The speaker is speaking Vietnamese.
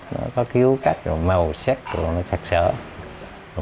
nó sẽ trời không có mồm